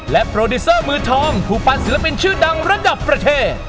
โปรดิเซอร์มือทองผู้ปันศิลปินชื่อดังระดับประเทศ